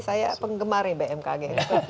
saya penggemar bmkg